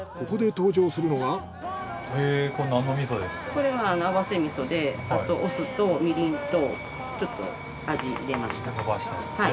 これは合わせ味噌でお酢とみりんとちょっと味入れました。